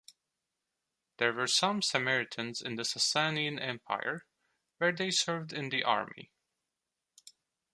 There were some Samaritans in the Sasanian Empire, where they served in the army.